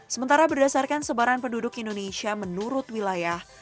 sementara berdasarkan sebaran penduduk indonesia menurut wilayah